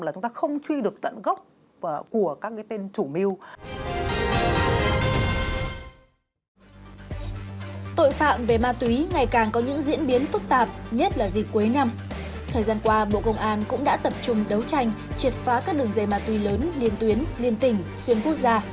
thời gian qua bộ công an cũng đã tập trung đấu tranh triệt phá các đường dây ma túy lớn liên tuyến liên tỉnh xuyên quốc gia